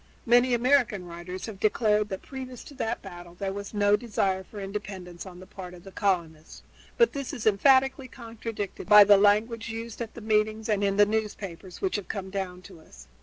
Many American writers have declared that previous to that battle there was no desire for independence on the part of the colonists, but this is emphatically contradicted by the language used at the meetings and in the newspapers which have come down to us.